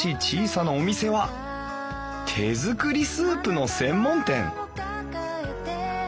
小さなお店は手作りスープの専門店！